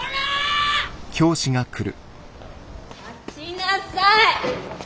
待ちなさい！